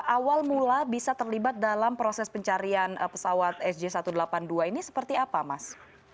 awal mula bisa terlibat dalam proses pencarian pesawat sj satu ratus delapan puluh dua ini seperti apa mas